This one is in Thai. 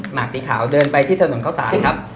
หมากสีขาวเดินไปที่ถนนเข้าสารครับ